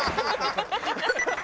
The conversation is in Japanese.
ハハハハ！